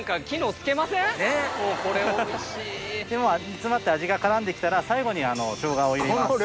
煮詰まって味が絡んで来たら最後にショウガを入れます。